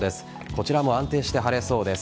こちらも安定して晴れそうです。